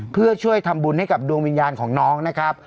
เพื่อช่วยทำบุญให้กับดวงวิญญาณของน้องนะครับ